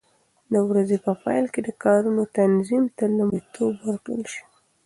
د ورځې په پیل کې د کارونو تنظیم ته لومړیتوب ورکړل شي.